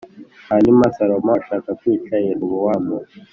Hanyuma Salomo ashaka kwica Yerobowamu